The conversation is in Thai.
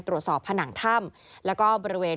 ตรวจสอบผนังถ้ำและก็บริเวณ